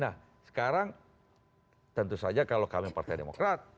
nah sekarang tentu saja kalau kami partai demokrat